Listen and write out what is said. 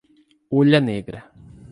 Hulha Negra